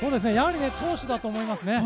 投手だと思います。